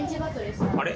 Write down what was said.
あれ？